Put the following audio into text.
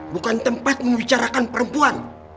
bukan tempat membicarakan perempuan